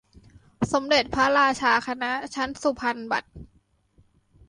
สมเด็จพระราชาคณะ ชั้นสุพรรณบัตร